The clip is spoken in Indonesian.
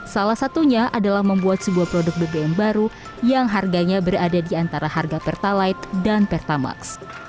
salah satunya adalah membuat sebuah produk bbm baru yang harganya berada di antara harga pertalite dan pertamax